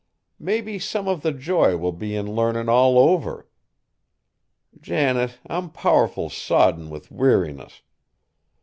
Maybe some of the joy will be in learnin' all over. Janet, I'm powerful sodden with weariness.